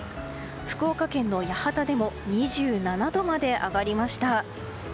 福岡県の八幡でも２７度まで上がりました。